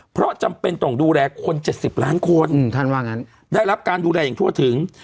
เพราะจำเป็นต้องดูแลคน๗๐ล้านคนท่านว่างั้นได้รับการดูแลอย่างทั่วถึง